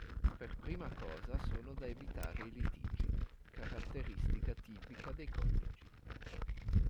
Per prima cosa sono da evitare i litigi, caratteristica tipica dei coniugi.